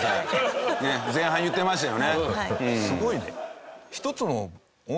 すごいね。